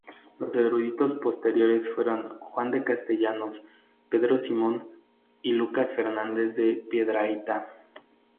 Los eruditos posteriores fueron Juan de Castellanos, Pedro Simón y Lucas Fernández de Piedrahita.